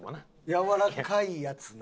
やわらかいやつな。